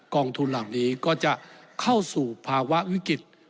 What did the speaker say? องทุนเหล่านี้ก็จะเข้าสู่ภาวะวิกฤต